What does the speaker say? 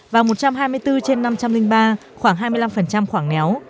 và một trăm hai mươi bốn trên năm trăm linh ba khoảng hai mươi năm khoảng néo